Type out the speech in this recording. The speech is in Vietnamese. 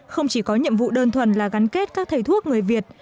không chỉ có nhiệm vụ đơn thuần là gắn kết các thầy thuốc người việt